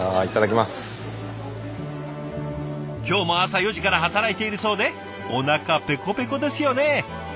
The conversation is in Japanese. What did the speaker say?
今日も朝４時から働いているそうでおなかペコペコですよね。